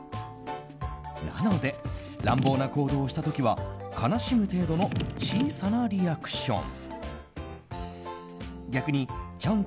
なので、乱暴な行動をした時は悲しむ程度の小さなリアクション。